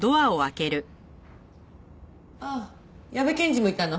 ああ矢部検事もいたの。